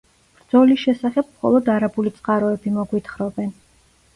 ბრძოლის შესახებ მხოლოდ არაბული წყაროები მოგვითხრობენ.